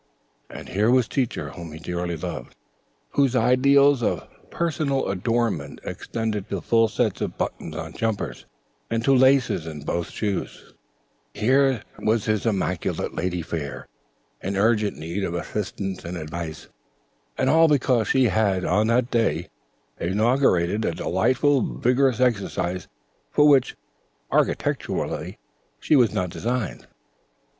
And here was Teacher whom he dearly loved, whose ideals of personal adornment extended to full sets of buttons on jumpers and to laces in both shoes, here was his immaculate lady fair in urgent need of assistance and advice, and all because she had on that day inaugurated a delightfully vigorous exercise for which, architecturally, she was not designed.